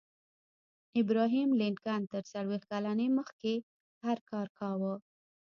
ابراهم لينکن تر څلوېښت کلنۍ مخکې هر کار کاوه.